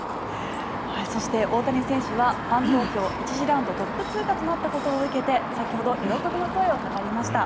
そして、大谷選手はファン投票１次ラウンドトップ通過となったことを受けて先ほど喜びの声を語りました。